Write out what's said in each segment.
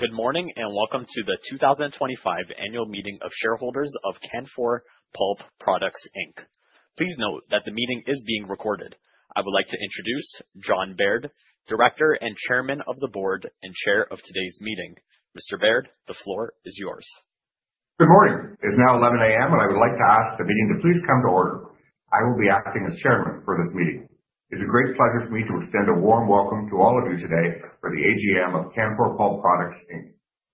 Good morning and welcome to the 2025 Annual Meeting of Shareholders of Canfor Pulp Products Inc. Please note that the meeting is being recorded. I would like to introduce John Baird, Director and Chairman of the Board and Chair of today's meeting. Mr. Baird, the floor is yours. Good morning. It is now 11:00 A.M., and I would like to ask the meeting to please come to order. I will be acting as Chairman for this meeting. It is a great pleasure for me to extend a warm welcome to all of you today for the AGM of Canfor Pulp Products.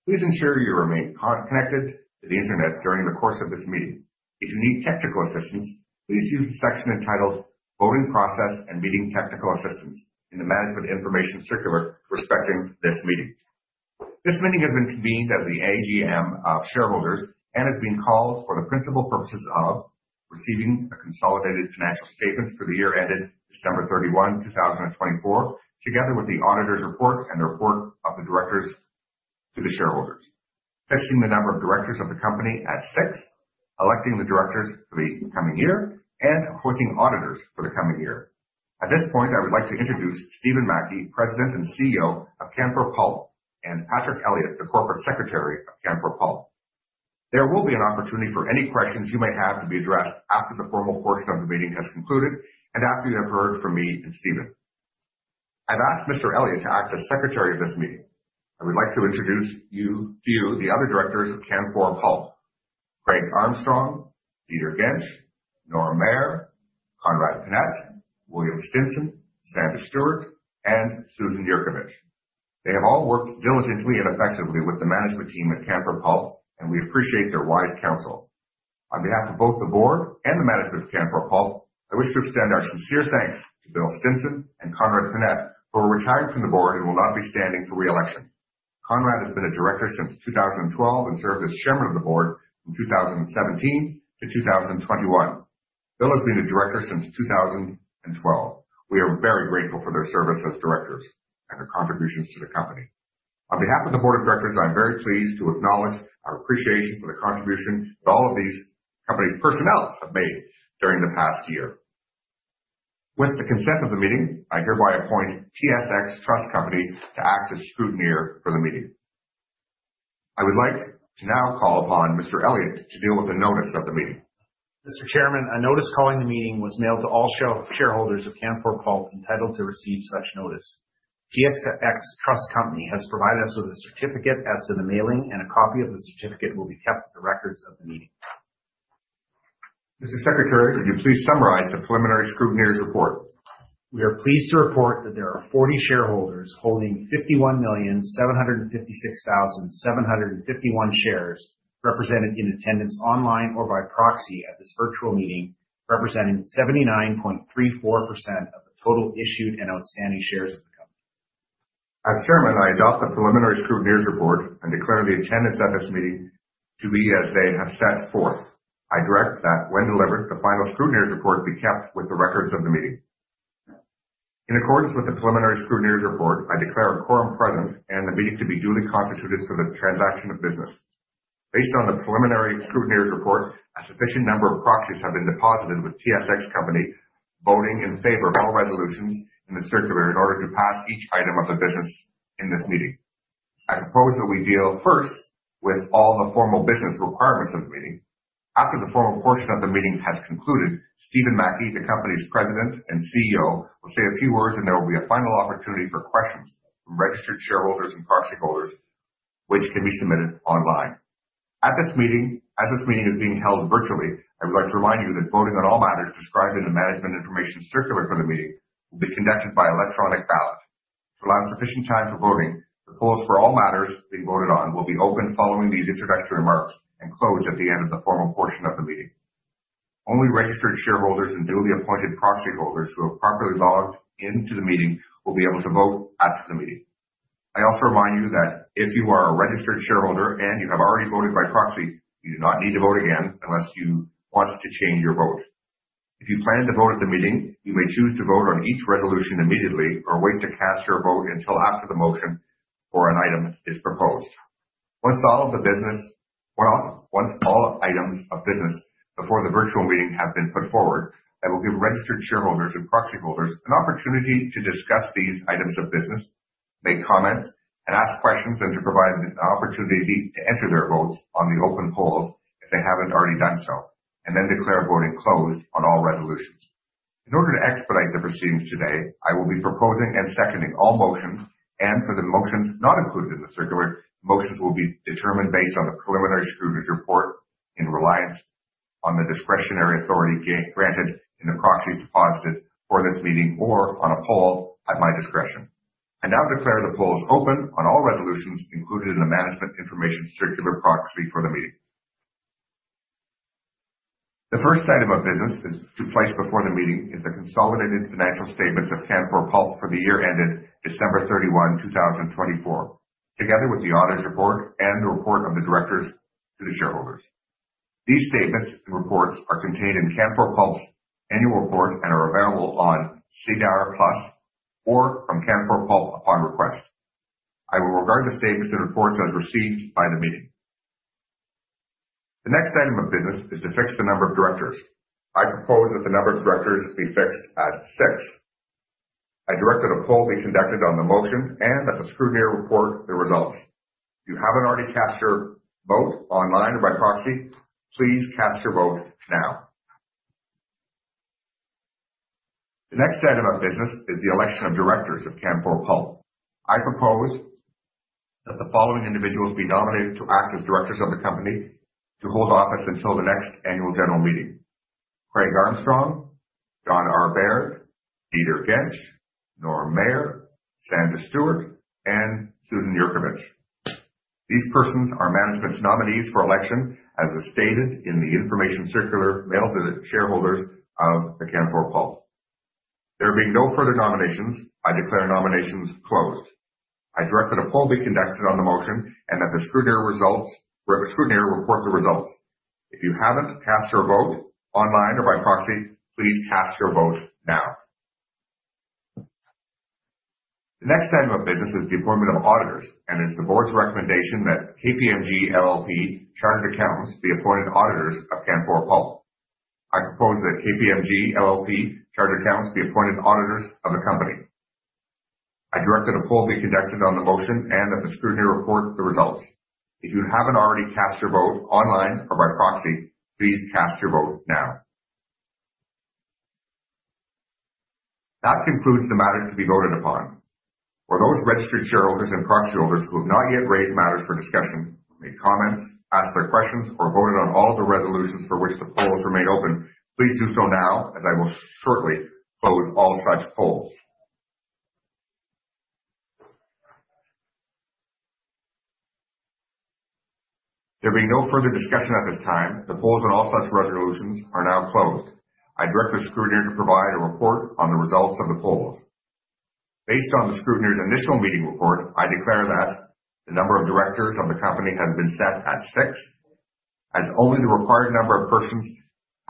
Please ensure you remain connected to the internet during the course of this meeting. If you need technical assistance, please use the section entitled "Voting Process and Meeting Technical Assistance" in the Management Information Circular respecting this meeting. This meeting has been convened as the AGM of shareholders and has been called for the principal purposes of receiving a consolidated financial statement for the year ended December 31, 2024, together with the auditor's report and the report of the directors to the shareholders, fixing the number of directors of the company at six, electing the directors for the coming year, and appointing auditors for the coming year. At this point, I would like to introduce Stephen Mackie, President and CEO of Canfor Pulp, and Patrick Elliott, the Corporate Secretary of Canfor Pulp. There will be an opportunity for any questions you may have to be addressed after the formal portion of the meeting has concluded and after you have heard from me and Stephen. I've asked Mr. Elliott to act as Secretary of this meeting. I would like to introduce to you the other directors of Canfor Pulp: Craig Armstrong, Dieter Jentsch, Norm Mayr, Conrad Pinette, William Stinson, Sandra Stuart, and Susan Yurkovich. They have all worked diligently and effectively with the management team at Canfor Pulp, and we appreciate their wise counsel. On behalf of both the board and the management of Canfor Pulp, I wish to extend our sincere thanks to Will Stinson and Conrad Pinette, who are retired from the board and will not be standing for re-election. Conrad has been a director since 2012 and served as Chairman of the Board from 2017 to 2021. Bill has been a director since 2012. We are very grateful for their service as directors and their contributions to the company. On behalf of the Board of Directors, I'm very pleased to acknowledge our appreciation for the contribution that all of these company personnel have made during the past year. With the consent of the meeting, I hereby appoint TSX Trust Company to act as scrutineer for the meeting. I would like to now call upon Mr. Elliott to deal with the notice of the meeting. Mr. Chairman, a notice calling the meeting was mailed to all shareholders of Canfor Pulp entitled to receive such notice. TSX Trust Company has provided us with a certificate as to the mailing, and a copy of the certificate will be kept for the records of the meeting. Mr. Secretary, could you please summarize the preliminary scrutineer's report? We are pleased to report that there are 40 shareholders holding 51,756,751 shares represented in attendance online or by proxy at this virtual meeting, representing 79.34% of the total issued and outstanding shares of the company. As Chairman, I adopt the preliminary scrutineer's report and declare the attendance at this meeting to be as they have set forth. I direct that, when delivered, the final scrutineer's report be kept with the records of the meeting. In accordance with the preliminary scrutineer's report, I declare a quorum present and the meeting to be duly constituted for the transaction of business. Based on the preliminary scrutineer's report, a sufficient number of proxies have been deposited with TSX Company voting in favor of all resolutions in the circular in order to pass each item of the business in this meeting. I propose that we deal first with all the formal business requirements of the meeting. After the formal portion of the meeting has concluded, Stephen Mackie, the company's President and CEO, will say a few words, and there will be a final opportunity for questions from registered shareholders and proxy holders, which can be submitted online. As this meeting is being held virtually, I would like to remind you that voting on all matters described in the Management Information Circular for the meeting will be conducted by electronic ballot. To allow sufficient time for voting, the polls for all matters being voted on will be opened following these introductory remarks and closed at the end of the formal portion of the meeting. Only registered shareholders and duly appointed proxy holders who have properly logged into the meeting will be able to vote after the meeting. I also remind you that if you are a registered shareholder and you have already voted by proxy, you do not need to vote again unless you want to change your vote. If you plan to vote at the meeting, you may choose to vote on each resolution immediately or wait to cast your vote until after the motion or an item is proposed. Once all items of business before the virtual meeting have been put forward, I will give registered shareholders and proxy holders an opportunity to discuss these items of business, make comments, and ask questions, and to provide an opportunity to enter their votes on the open polls if they haven't already done so, and then declare voting closed on all resolutions. In order to expedite the proceedings today, I will be proposing and seconding all motions, and for the motions not included in the circular, motions will be determined based on the preliminary scrutineer's report in reliance on the discretionary authority granted in the proxies deposited for this meeting or on a poll at my discretion. I now declare the polls open on all resolutions included in the Management Information Circular proxy for the meeting. The first item of business to place before the meeting is the consolidated financial statements of Canfor Pulp for the year ended December 31, 2024, together with the auditor's report and the report of the directors to the shareholders. These statements and reports are contained in Canfor Pulp's annual report and are available on SEDAR+ or from Canfor Pulp upon request. I will regard the statements and reports as received by the meeting. The next item of business is to fix the number of directors. I propose that the number of directors be fixed at six. I direct that a poll be conducted on the motion and that the scrutineer report the results. If you haven't already cast your vote online or by proxy, please cast your vote now. The next item of business is the election of directors of Canfor Pulp. I propose that the following individuals be nominated to act as directors of the company to hold office until the next Annual General Meeting: Craig Armstrong, John R Baird, Dieter Jentsch, Norm Mayr, Sandra Stuart, and Susan Yurkovich. These persons are management's nominees for election, as stated in the information circular mailed to the shareholders of the Canfor Pulp. There being no further nominations, I declare nominations closed. I direct that a poll be conducted on the motion and that the scrutineer report the results. If you haven't cast your vote online or by proxy, please cast your vote now. The next item of business is the appointment of auditors, and it is the board's recommendation that KPMG LLP Chartered Accountants be appointed auditors of Canfor Pulp. I propose that KPMG LLP Chartered Accountants be appointed auditors of the company. I direct that a poll be conducted on the motion and that the scrutineer report the results. If you haven't already cast your vote online or by proxy, please cast your vote now. That concludes the matters to be voted upon. For those registered shareholders and proxy holders who have not yet raised matters for discussion, made comments, asked their questions, or voted on all the resolutions for which the polls remain open, please do so now, as I will shortly close all such polls. There being no further discussion at this time, the polls and all such resolutions are now closed. I direct the scrutineer to provide a report on the results of the polls. Based on the scrutineer's initial meeting report, I declare that the number of directors of the company has been set at six. As only the required number of persons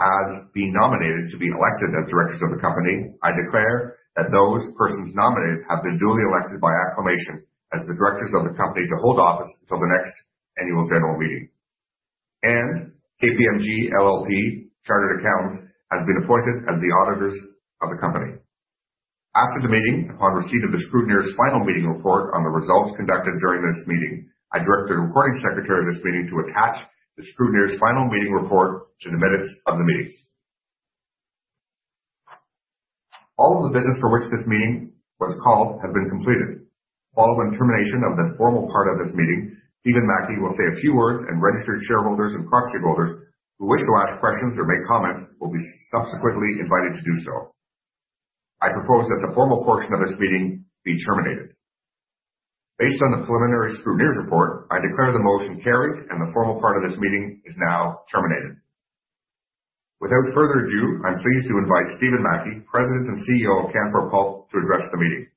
has been nominated to be elected as directors of the company, I declare that those persons nominated have been duly elected by acclamation as the directors of the company to hold office until the next Annual General Meeting, and KPMG LLP Chartered Accountants has been appointed as the auditors of the company. After the meeting, upon receipt of the scrutineer's final meeting report on the results conducted during this meeting, I direct the recording secretary of this meeting to attach the scrutineer's final meeting report to the minutes of the meeting. All of the business for which this meeting was called has been completed. Following termination of the formal part of this meeting, Stephen Mackie will say a few words, and registered shareholders and proxy holders who wish to ask questions or make comments will be subsequently invited to do so. I propose that the formal portion of this meeting be terminated. Based on the preliminary scrutineer's report, I declare the motion carried, and the formal part of this meeting is now terminated. Without further ado, I'm pleased to invite Stephen Mackie, President and CEO of Canfor Pulp, to address the meeting.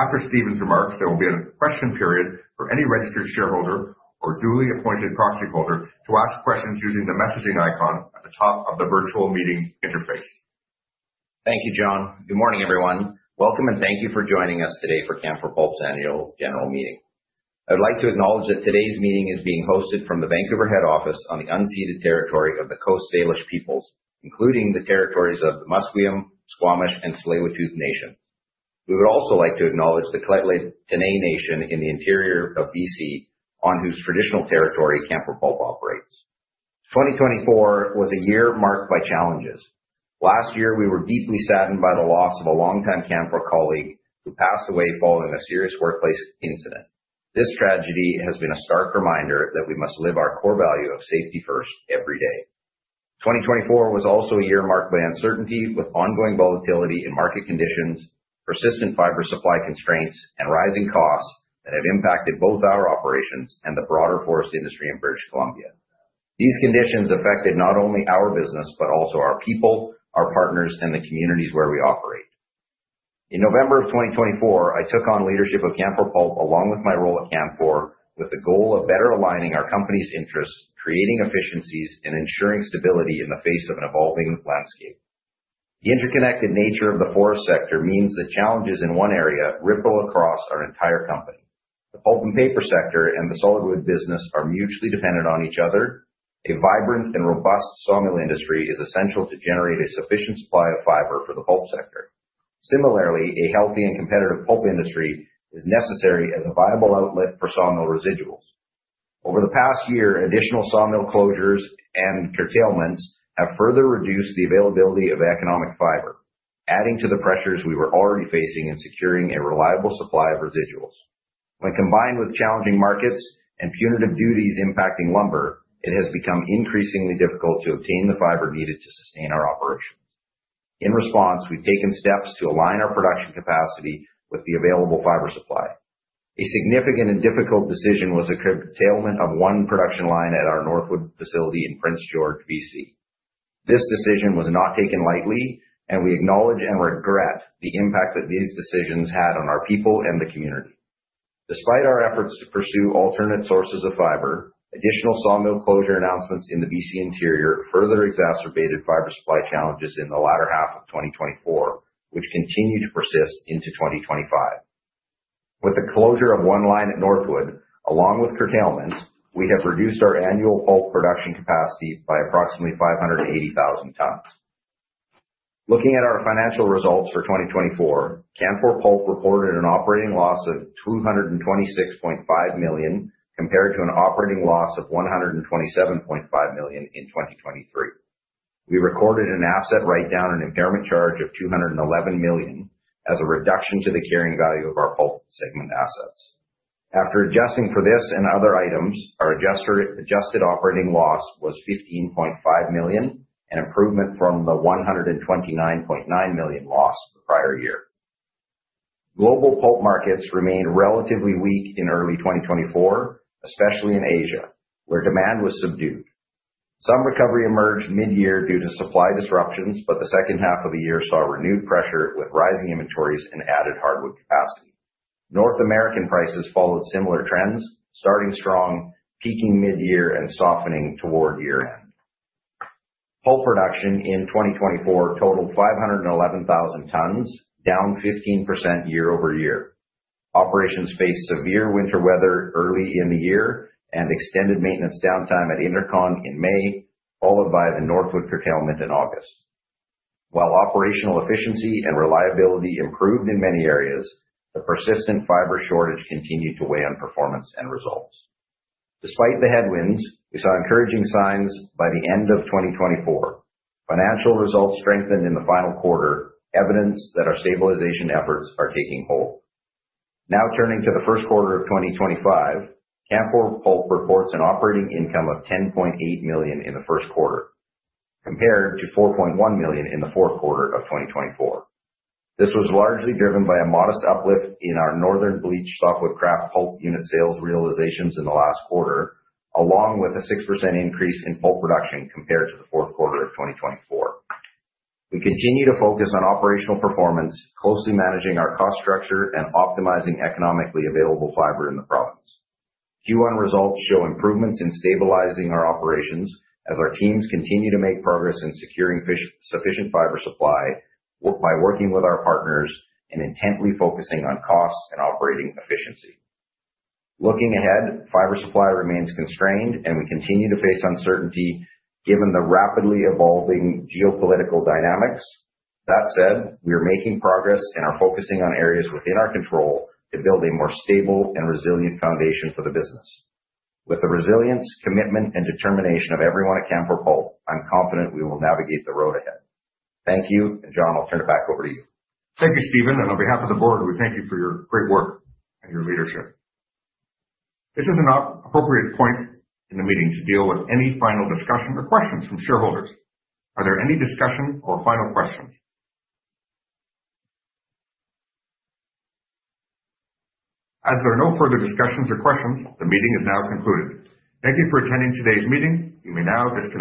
After Stephen's remarks, there will be a question period for any registered shareholder or duly appointed proxy holder to ask questions using the messaging icon at the top of the virtual meeting interface. Thank you, John. Good morning, everyone. Welcome, and thank you for joining us today for Canfor Pulp's Annual General Meeting. I would like to acknowledge that today's meeting is being hosted from the Vancouver head office on the unceded territory of the Coast Salish peoples, including the territories of the Musqueam, Squamish, and Tsleil-Waututh Nations. We would also like to acknowledge The Lheidli T'enneh Nation in the interior of BC, on whose traditional territory Canfor Pulp operates. 2024 was a year marked by challenges. Last year, we were deeply saddened by the loss of a longtime Canfor colleague who passed away following a serious workplace incident. This tragedy has been a stark reminder that we must live our core value of safety first every day. 2024 was also a year marked by uncertainty, with ongoing volatility in market conditions, persistent fiber supply constraints, and rising costs that have impacted both our operations and the broader forest industry in British Columbia. These conditions affected not only our business, but also our people, our partners, and the communities where we operate. In November of 2024, I took on leadership of Canfor Pulp along with my role at Canfor, with the goal of better aligning our company's interests, creating efficiencies, and ensuring stability in the face of an evolving landscape. The interconnected nature of the forest sector means that challenges in one area ripple across our entire company. The pulp and paper sector and the solid wood business are mutually dependent on each other. A vibrant and robust sawmill industry is essential to generate a sufficient supply of fiber for the pulp sector. Similarly, a healthy and competitive pulp industry is necessary as a viable outlet for sawmill residuals. Over the past year, additional sawmill closures and curtailments have further reduced the availability of economic fiber, adding to the pressures we were already facing in securing a reliable supply of residuals. When combined with challenging markets and punitive duties impacting lumber, it has become increasingly difficult to obtain the fiber needed to sustain our operations. In response, we've taken steps to align our production capacity with the available fiber supply. A significant and difficult decision was the curtailment of one production line at our Northwood facility in Prince George, BC. This decision was not taken lightly, and we acknowledge and regret the impact that these decisions had on our people and the community. Despite our efforts to pursue alternate sources of fiber, additional sawmill closure announcements in the BC interior further exacerbated fiber supply challenges in the latter half of 2024, which continue to persist into 2025. With the closure of one line at Northwood, along with curtailments, we have reduced our annual pulp production capacity by approximately 580,000 tons. Looking at our financial results for 2024, Canfor Pulp reported an operating loss of $226.5 million compared to an operating loss of $127.5 million in 2023. We recorded an asset write-down and impairment charge of $211 million as a reduction to the carrying value of our pulp segment assets. After adjusting for this and other items, our adjusted operating loss was $15.5 million, an improvement from the $129.9 million loss the prior year. Global pulp markets remained relatively weak in early 2024, especially in Asia, where demand was subdued. Some recovery emerged mid-year due to supply disruptions, but the second half of the year saw renewed pressure with rising inventories and added hardwood capacity. North American prices followed similar trends, starting strong, peaking mid-year, and softening toward year-end. Pulp production in 2024 totaled 511,000 tons, down 15% year-over-year. Operations faced severe winter weather early in the year and extended maintenance downtime at Intercon in May, followed by the Northwood curtailment in August. While operational efficiency and reliability improved in many areas, the persistent fiber shortage continued to weigh on performance and results. Despite the headwinds, we saw encouraging signs by the end of 2024. Financial results strengthened in the final quarter, evidence that our stabilization efforts are taking hold. Now turning to the first quarter of 2025, Canfor Pulp reports an operating income of $10.8 million in the first quarter, compared to $4.1 million in the fourth quarter of 2024. This was largely driven by a modest uplift in our Northern Bleached Softwood Kraft Pulp unit sales realizations in the last quarter, along with a 6% increase in pulp production compared to the fourth quarter of 2024. We continue to focus on operational performance, closely managing our cost structure and optimizing economically available fiber in the province. Q1 results show improvements in stabilizing our operations as our teams continue to make progress in securing sufficient fiber supply by working with our partners and intently focusing on costs and operating efficiency. Looking ahead, fiber supply remains constrained, and we continue to face uncertainty given the rapidly evolving geopolitical dynamics. That said, we are making progress and are focusing on areas within our control to build a more stable and resilient foundation for the business. With the resilience, commitment, and determination of everyone at Canfor Pulp, I'm confident we will navigate the road ahead. Thank you, and John, I'll turn it back over to you. Thank you, Stephen, and on behalf of the board, we thank you for your great work and your leadership. This is an appropriate point in the meeting to deal with any final discussion or questions from shareholders. Are there any discussion or final questions? As there are no further discussions or questions, the meeting is now concluded. Thank you for attending today's meeting. You may now disconnect.